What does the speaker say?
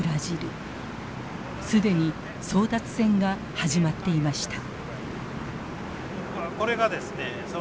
既に争奪戦が始まっていました。